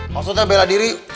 maksudnya bela diri